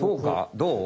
どう？